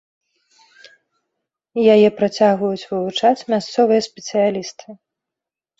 Яе працягваюць вывучаць мясцовыя спецыялісты.